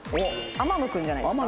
天野君じゃないですか？